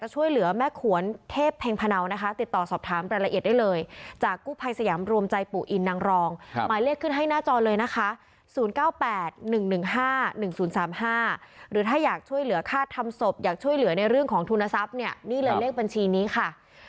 ช่วยเหลือในเรื่องของทุนทรัพย์เนี่ยนี่เลยเลขบัญชีนี้ค่ะ